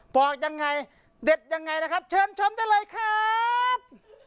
บอกยังไงเด็ดยังไงนะครับเชิญชมได้เลยครับ